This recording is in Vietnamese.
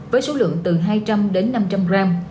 với số lượng từ hai trăm linh đến năm trăm linh gram